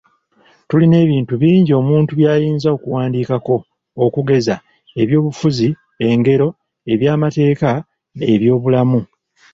Tulina ebintu bingi omuntu by’ayinza okuwandiikako, okugeza, ebyobufuzi, engero, eby’amateeka, eby’obulamu .